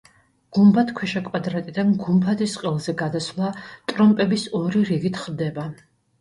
გუმბათქვეშა კვადრატიდან გუმბათის ყელზე გადასვლა ტრომპების ორი რიგით ხდება.